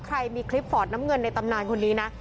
ใครมีคลิปฟอร์ดน้ำเงินในตำนานคนนี้นะ